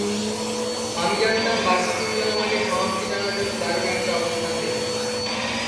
আমি জানতাম, বাকি তিনজন আমাকে সমাপ্তি টানার জন্য দারুণ একটা অবস্থান দেবে।